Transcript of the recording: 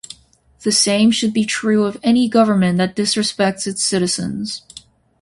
The same should be true of any government that disrespects its citizens.